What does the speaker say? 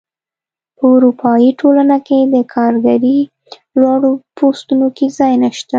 په اروپايي ټولنه کې د کارګرۍ لوړو پوستونو کې ځای نشته.